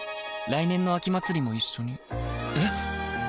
来年の秋祭も一緒にえ